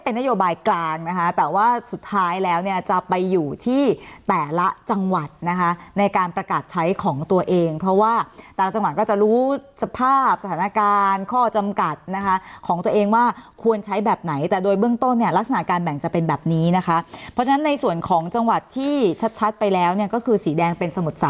นโยบายกลางนะคะแต่ว่าสุดท้ายแล้วเนี่ยจะไปอยู่ที่แต่ละจังหวัดนะคะในการประกาศใช้ของตัวเองเพราะว่าต่างจังหวัดก็จะรู้สภาพสถานการณ์ข้อจำกัดนะคะของตัวเองว่าควรใช้แบบไหนแต่โดยเบื้องต้นเนี่ยลักษณะการแบ่งจะเป็นแบบนี้นะคะเพราะฉะนั้นในส่วนของจังหวัดที่ชัดไปแล้วเนี่ยก็คือสีแดงเป็นสมุ